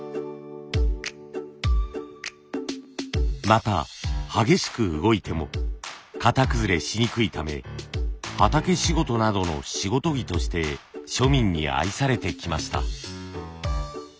また激しく動いても型崩れしにくいため畑仕事などの仕事着として庶民に愛されてきました。